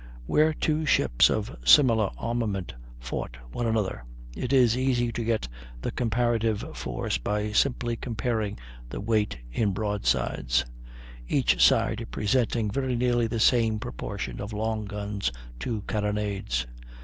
Where two ships of similar armament fought one another, it is easy to get the comparative force by simply comparing the weight in broadsides, each side presenting very nearly the same proportion of long guns to carronades.